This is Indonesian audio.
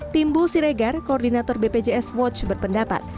timbul siregar koordinator bpjs watch berpendapat